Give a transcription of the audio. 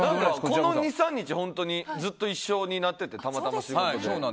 この２３日本当にずっと一緒になっててたまたま、仕事で。